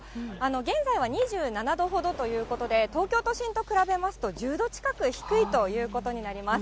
現在は２７度ほどということで、東京都心と比べますと、１０度近く低いということになります。